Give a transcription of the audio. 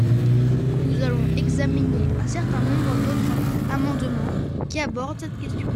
Nous allons examiner un certain nombre d’autres amendements qui abordent cette question.